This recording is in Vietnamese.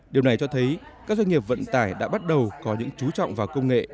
điều này cho thấy các doanh nghiệp vận tải đã bắt đầu có những chú trọng vào công nghệ